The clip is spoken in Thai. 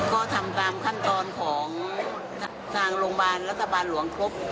ก็ทำตามขั้นตอนของทางโรงพยาบาลรัฐบาลหลวงครบ